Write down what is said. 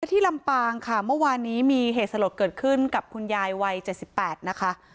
ที่ลำปางค่ะเมื่อวานนี้มีเหตุสลดเกิดขึ้นกับคุณยายวัย๗๘นะคะ